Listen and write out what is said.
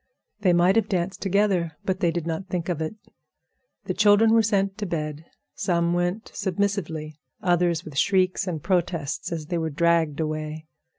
They might have danced together, but they did not think of it. The children were sent to bed. Some went submissively; others with shrieks and protests as they were dragged away.